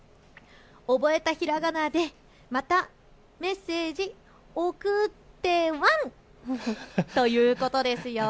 覚えたひらがなでまたメッセージ、送ってワン！ということですよ。